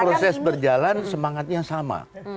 proses berjalan semangatnya sama